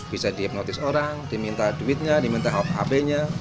bisa di apnotis orang diminta duitnya diminta hp nya